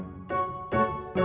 jangan kita musti chopper